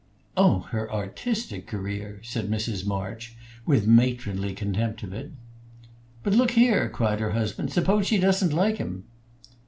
"Oh, her artistic career!" said Mrs. March, with matronly contempt of it. "But look here!" cried her husband. "Suppose she doesn't like him?"